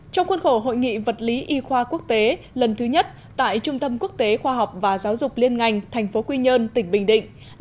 trong khuôn khổ hội nghị vật lý y khoa quốc tế lần thứ nhất tại trung tâm quốc tế khoa học và giáo dục liên ngành tp quy nhơn tỉnh bình định